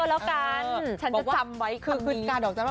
เออเบ็กเลยแม่เบ็กเลยดีกว่า